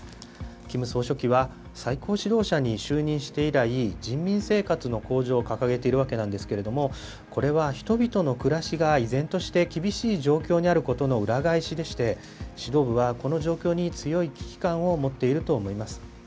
キム総書記は最高指導者に就任して以来、人民生活の向上を掲げているわけなんですけれども、これは人々の暮らしが依然として厳しい状況にあることの裏返しでして、指導部はこの状況に、強い危機感を持っていると思います。